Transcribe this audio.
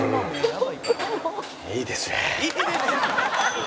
「いいですね」！